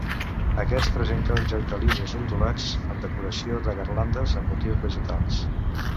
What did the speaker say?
Aquest presenta un joc de línies ondulants amb decoració de garlandes amb motius vegetals.